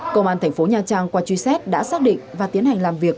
công an tp nha trang qua truy xét đã xác định và tiến hành làm việc